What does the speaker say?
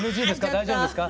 大丈夫ですか？